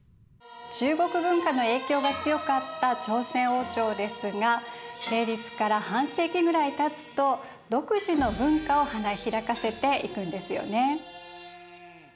中国文化の影響が強かった朝鮮王朝ですが成立から半世紀ぐらいたつと独自の文化を花開かせていくんですよね。